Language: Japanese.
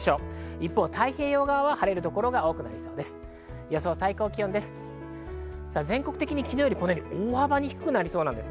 一方、太平洋側は晴れる所が多くなりそうです。